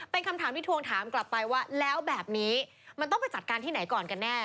เป็นคำถามที่ทวงถามกลับไปว่าแล้วแบบนี้มันต้องไปจัดการที่ไหนก่อนกันแน่